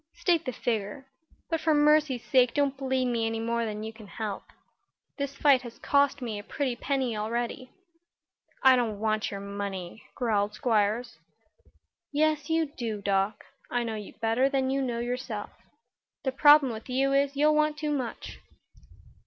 "State the figure. But for mercy's sake don't bleed me any more than you can help. This fight has cost me a pretty penny already." "I don't want your money," growled Squiers. "Yes you do, Doc. I know you better than you know yourself. The trouble with you is, you'll want too much."